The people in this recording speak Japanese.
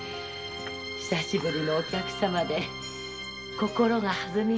久しぶりのお客様で心が弾みます。